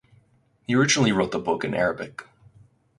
He originally wrote the book in Arabic.